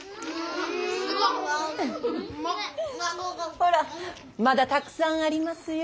ほらまだたくさんありますよ。